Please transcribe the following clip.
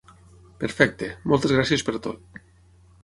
Perfecte, moltes gràcies per tot.